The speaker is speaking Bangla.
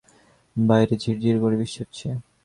বাইরে ঝিরঝির করে বৃষ্টি হচ্ছে।